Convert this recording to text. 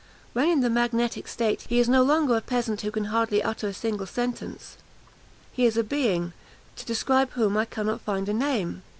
When in the magnetic state, he is no longer a peasant who can hardly utter a single sentence; he is a being, to describe whom I cannot find a name.